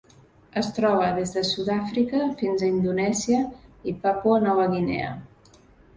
Es troba des de Sud-àfrica fins a Indonèsia i Papua Nova Guinea.